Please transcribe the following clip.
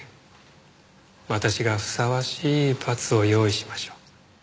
私がふさわしい罰を用意しましょう。